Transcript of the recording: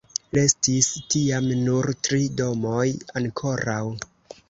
Restis tiam nur tri domoj ankoraŭ.